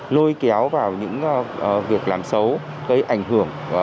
lôi kéo vào những việc làm xấu gây ảnh hưởng